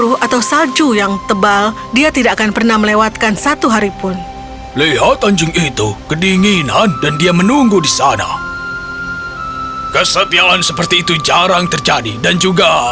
hachi bagaimana kau disini sepanjang